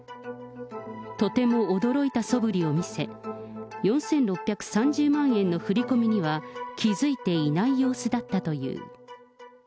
とても驚いたそぶりを見せ、４６３０万円の振り込みには、気付いていない様子だったという。